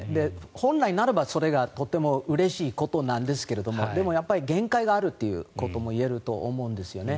本来ならば、それがとてもうれしいことなんですがでも、限界があるということも言えると思うんですよね。